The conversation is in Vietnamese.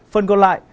phần còn lại